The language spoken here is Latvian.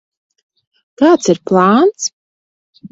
Kāds ir plāns?